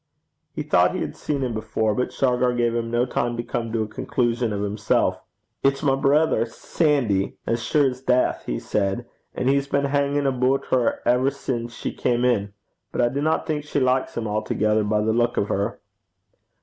He thought he had seen him before, but Shargar gave him no time to come to a conclusion of himself. 'It's my brither Sandy, as sure 's deith!' he said; 'and he's been hingin' aboot her ever sin' she cam in. But I dinna think she likes him a'thegither by the leuk o' her.'